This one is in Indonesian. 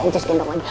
jus gendong mandi